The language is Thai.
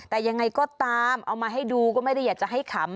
แต่ยังไงก็ตามเอามาให้ดูก็ไม่ได้อยากจะให้ขำ